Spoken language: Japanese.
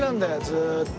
ずーっと。